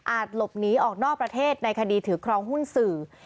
หลบหนีออกนอกประเทศในคดีถือครองหุ้นสื่อ